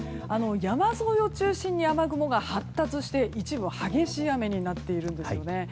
山沿いを中心に雨雲が発達して一部、激しい雨になっているんですよね。